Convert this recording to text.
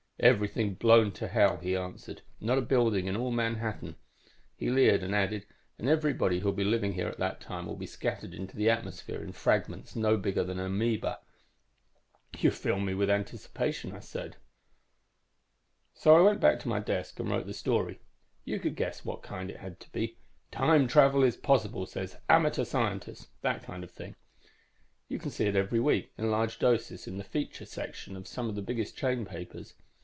"'Everything blown to hell,' he answered. 'Not a building in all Manhattan.' He leered and added, 'And everybody who'll be living here at that time will be scattered into the atmosphere in fragments no bigger than an amoeba.' "'You fill me with anticipation,' I said. "So I went back to my desk and wrote the story. You could guess what kind it had to be. 'Time Travel Is Possible, Says Amateur Scientist!' that kind of thing. You can see it every week, in large doses, in the feature sections of some of the biggest chain papers.